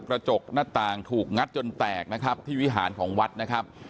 กระจกหน้าต่างถูกงัดจนแตกนะครับที่วิหารของวัดนะครับ